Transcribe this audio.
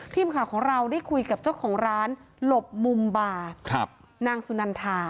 ทีมข่าวของเราได้คุยกับเจ้าของร้านหลบมุมบานางสุนันทา